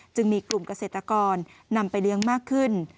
จึงมีกลุ่มเกษตรกรนำไปเลี้ยงมากขึ้น